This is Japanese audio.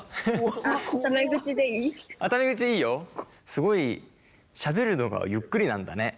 すごいしゃべるのがゆっくりなんだね。